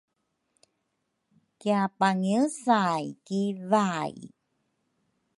kiapangiesay ki vai